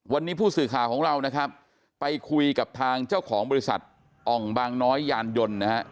วันนี้ผู้สื่อข่าวของเรานะครับไปคุยกับทางเจ้าของบริษัทอ่องบางน้อยยานยนต์นะฮะ